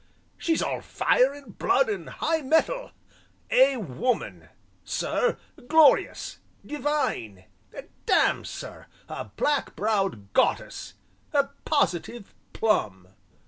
She's all fire and blood and high mettle a woman, sir glorious divine damme, sir, a black browed goddess a positive plum!"